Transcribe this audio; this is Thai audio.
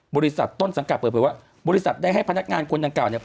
บริษัทต้นสังกรรมประโยชน์ว่าบริษัทได้ให้พนักงานคนดังเก่า